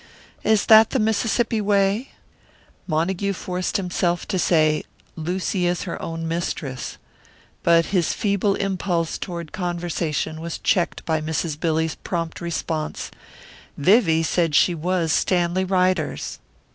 Is that the Mississippi way?" Montague forced himself to say, "Lucy is her own mistress." But his feeble impulse toward conversation was checked by Mrs. Billy's prompt response, "Vivie said she was Stanley Ryder's."